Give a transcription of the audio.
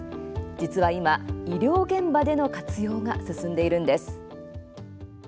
実は今、医療現場での活用が進んでいるんです。